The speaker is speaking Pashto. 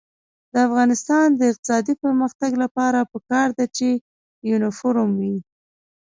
د افغانستان د اقتصادي پرمختګ لپاره پکار ده چې یونیفورم وي.